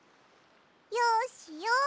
よしよし。